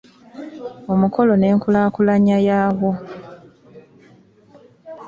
Omuluko n’enkulaakulanya yaagwo